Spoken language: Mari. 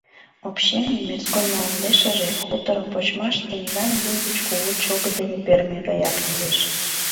— Общинын мирской мландешыже хуторым почмаш тендан вуй гыч кугу чӧгыт дене перыме гаяк лиеш.